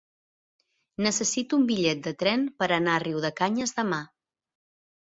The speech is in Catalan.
Necessito un bitllet de tren per anar a Riudecanyes demà.